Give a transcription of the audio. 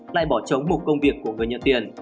lại bỏ trống một công việc của người nhận tiền